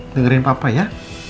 dengarkan papa ya